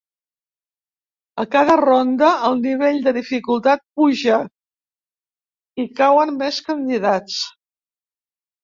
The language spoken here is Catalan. A cada ronda el nivell de dificultat puja i cauen més candidats.